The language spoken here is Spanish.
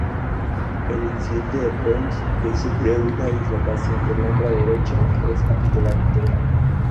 El incidente de Pons, que sufre una dislocación del hombro derecho, es particularmente grave.